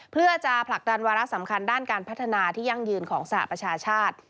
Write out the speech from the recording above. เพื่อจะผลักดันวาระสำคัญด้านการพัฒนาที่ยั่งยืนของสหประชาชาติ